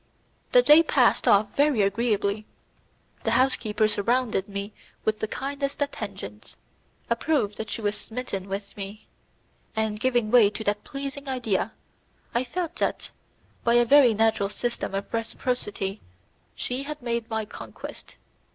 The day passed off very agreeably; the housekeeper surrounded me with the kindest attentions a proof that she was smitten with me; and, giving way to that pleasing idea, I felt that, by a very natural system of reciprocity, she had made my conquest.